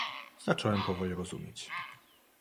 "„Zacząłem powoli rozumieć."